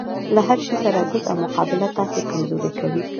له هرشي سره ضد او مقابله تاسې کمزوري کوي